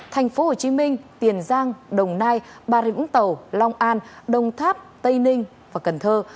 tp hcm tiền giang đồng nai bà rịnh úng tàu long an đồng tháp tây ninh và cần thơ